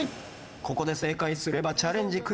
ここで正解すればチャレンジクリア。